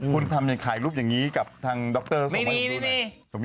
คุณทำในขายรูปอย่างนี้กับทางดรสมมุติดูนะ